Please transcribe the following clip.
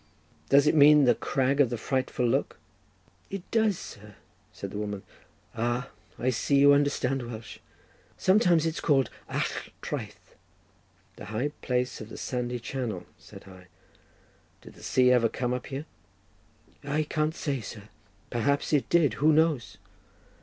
"Does it mean the Crag of the frightful look?" "It does, sir," said the woman; "ah, I see you understand Welsh. Sometimes it is called Allt Traeth." "The high place of the sandy channel," said I. "Did the sea ever come up here?" "I can't say, sir; perhaps it did; who knows?"